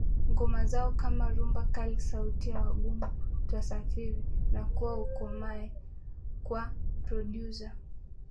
ngoma zao kama Rumba Kali Sauti ya Wagumu Twasafiri na Kua Ukomae kwa prodyuza